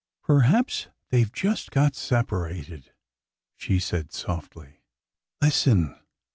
" Perhaps— they Ve just— got separated,'' she said softly. Listen